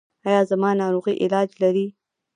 ایا زما ناروغي علاج لري؟